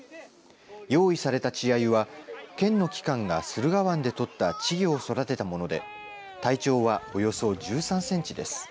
用意された稚あゆは県の機関が駿河湾で取った稚魚を育てたもので体長は、およそ１３センチです。